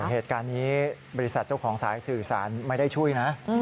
เหตุการณ์นี้บริษัทเจ้าของสายสื่อสารไม่ได้ช่วยนะ